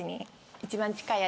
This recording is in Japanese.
一番近い味？